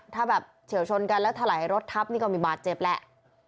ถ้าแบบเฉียวชนกันแล้วถลายรถทับนี่ก็มีบาดเจ็บแหละ